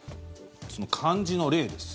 その漢字の例です。